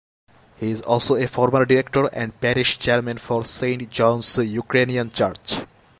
He is also a former director and parish chairman for Saint John's Ukrainian Church.